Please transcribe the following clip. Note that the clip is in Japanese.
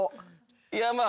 いやまあ。